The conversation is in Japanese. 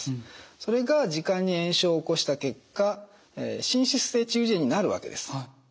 それが耳管に炎症を起こした結果滲出性中耳炎になるわけです。